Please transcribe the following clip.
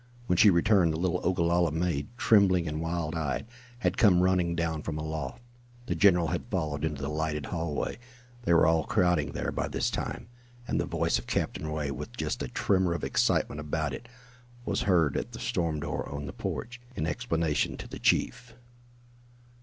When she returned the little Ogalalla maid, trembling and wild eyed, had come running down from aloft. The general had followed into the lighted hallway, they were all crowding there by this time, and the voice of Captain Ray, with just a tremor of excitement about it, was heard at the storm door on the porch, in explanation to the chief.